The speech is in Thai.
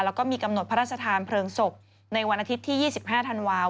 แล้วก็มีกำหนดพระราชทานเพลิงศพในวันอาทิตย์ที่๒๕ธันวาคม